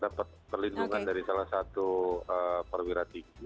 dapat perlindungan dari salah satu perwira tinggi